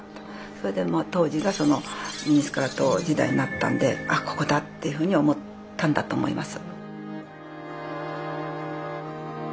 それでもう当時がそのミニスカート時代になったんであここだっていうふうに思ったんだと思います。